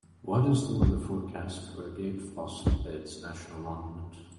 What is the weather forecast for Agate Fossil Beds National Monument